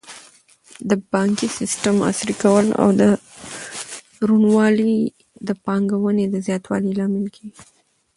د بانکي سیسټم عصري کول او روڼوالی د پانګونې د زیاتوالي لامل ګرځي.